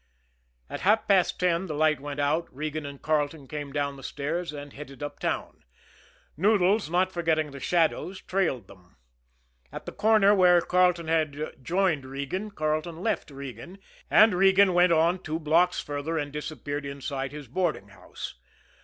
At half past ten the light went out, Regan and Carleton came down the stairs and headed uptown. Noodles, not forgetting the shadows, trailed them. At the corner where Carleton had joined Regan, Carleton left Regan, and Regan went on two blocks further and disappeared inside his boarding house.